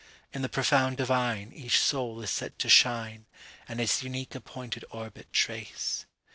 In the profound divineEach soul is set to shine, And its unique appointed orbit trace.